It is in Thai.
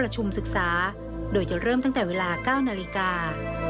จะเริ่มตั้งแต่เวลา๙นาฬิกา